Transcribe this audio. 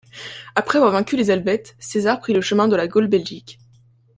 Après avoir vaincu les Helvètes, César prit le chemin de la Gaule Belgique.